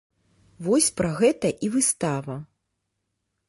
Вось пра гэта і выстава.